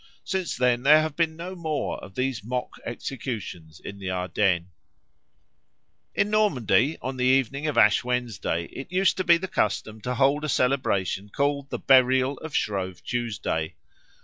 Since then there have been no more of these mock executions in the Ardennes. In Normandy on the evening of Ash Wednesday it used to be the custom to hold a celebration called the Burial of Shrove Tuesday.